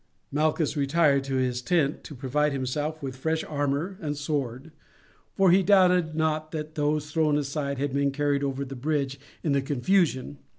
Malchus retired to his tent to provide himself with fresh armour and sword, for he doubted not that those thrown aside had been carried over the bridge in the confusion.